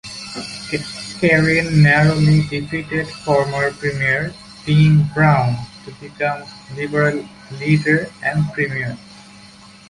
Kerin narrowly defeated former premier Dean Brown to become Liberal leader and premier.